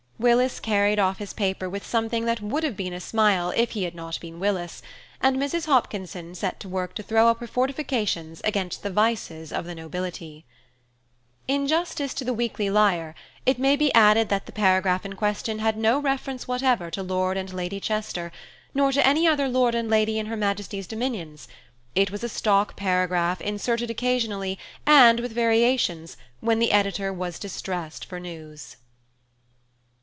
Willis carried off his paper with something that would have been a smile if he had not been Willis, and Mrs. Hopkinson set to work to throw up her fortifications against the vices of the nobility. In justice to the Weekly Lyre, it may be added that the paragraph in question had no reference whatever to Lord and Lady Chester, nor to any other Lord and Lady in Her Majesty's dominions; it was a stock paragraph inserted occasionally, and with variations, when the editor was distressed for news.